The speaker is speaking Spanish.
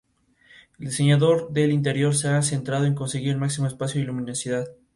El diseño del interior se ha centrado en conseguir el máximo espacio y luminosidad.